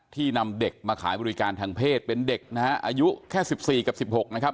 นำเด็กมาขายบริการทางเพศเป็นเด็กนะฮะอายุแค่๑๔กับ๑๖นะครับ